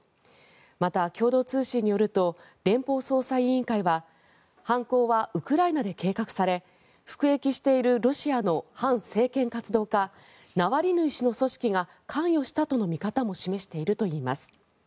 また、共同通信によると連邦捜査委員会は犯行はウクライナで計画され服役しているロシアの反政権活動家ナワリヌイ氏の組織が関与したとの見方も示しているといいます。